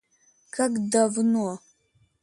Как давно...